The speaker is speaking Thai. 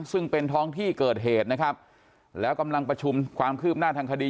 ซึ่งเป็นท้องที่เกิดเหตุนะครับแล้วกำลังประชุมความคืบหน้าทางคดี